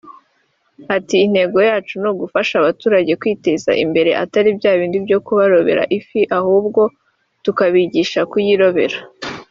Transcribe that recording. Ati “Intego yacu ni ugufasha abaturage kwiteza imbere atari bya bindi byo kubarobera ifi ahubwo tukabigisha kuyirobera